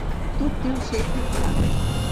Tot té el seu contrari.